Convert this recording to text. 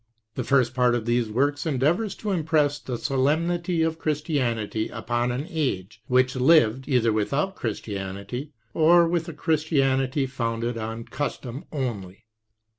The first part of these works endeavors to impress the solemnity of Christianity upon an age which lived, either without Christianity, or with a Chris tianity founded on custom only.